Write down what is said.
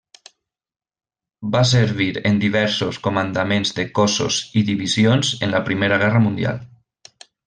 Va servir en diversos comandaments de cossos i divisions en la Primera Guerra Mundial.